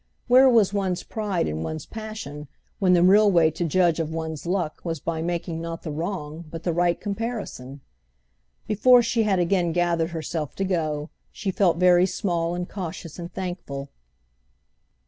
Where was one's pride and one's passion when the real way to judge of one's luck was by making not the wrong but the right comparison? Before she had again gathered herself to go she felt very small and cautious and thankful.